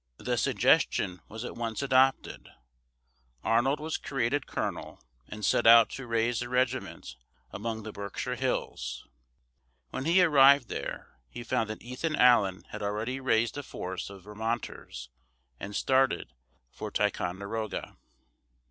The suggestion was at once adopted. Arnold was created colonel and set out to raise a regiment among the Berkshire Hills. When he arrived there, he found that Ethan Allen had already raised a force of Vermonters and started for Ticonderoga.